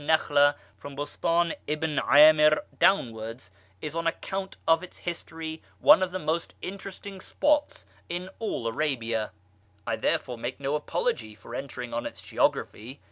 406] Nakhla from Bostan Ibn camir downwards, is on account of its history one of the most interesting spots in all Arabia; I therefore make no apology for entering on its geography.